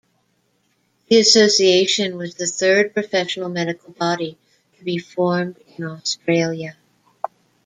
The Association was the third professional medical body to be formed in Australia.